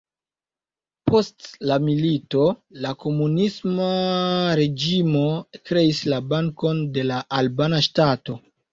Post la milito la komunisma reĝimo kreis la Bankon de la Albana Ŝtato.